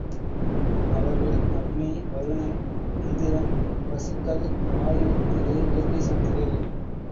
அவர்கள் அக்னி, வருணன், இந்திரன், வசுக்கள், வாயு முதலிய இயற்கைச் சக்திகள்.